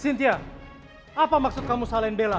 cintia apa maksud kamu saling bella